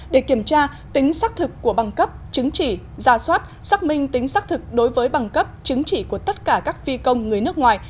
để kiểm tra tính xác thực của băng cấp chứng chỉ giả soát xác minh tính xác thực đối với băng cấp chứng chỉ của tất cả các phi công người nước ngoài